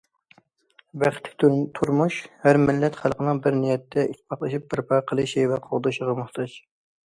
بەختلىك تۇرمۇش ھەر مىللەت خەلقنىڭ بىر نىيەتتە ئىتتىپاقلىشىپ بەرپا قىلىشى ۋە قوغدىشىغا موھتاج.